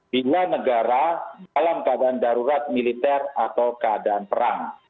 bila negara dalam keadaan darurat militer atau keadaan perang